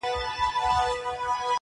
يو څو زلميو ورته هېښ کتله!